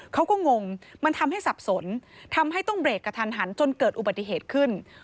งงมันทำให้สับสนทำให้ต้องเบรกกระทันหันจนเกิดอุบัติเหตุขึ้น